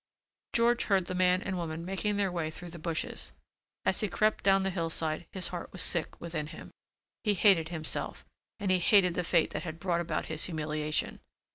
George heard the man and woman making their way through the bushes. As he crept down the hillside his heart was sick within him. He hated himself and he hated the fate that had brought about his humiliation.